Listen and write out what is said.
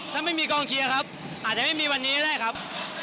ถ้าไม่มีกองเชียร์ครับอาจจะไม่มีวันนี้ก็ได้ครับ